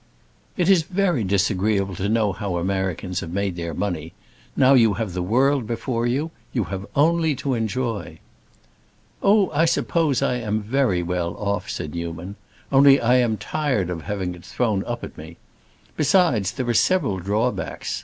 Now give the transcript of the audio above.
"It is very disagreeable to know how Americans have made their money. Now you have the world before you. You have only to enjoy." "Oh, I suppose I am very well off," said Newman. "Only I am tired of having it thrown up at me. Besides, there are several drawbacks.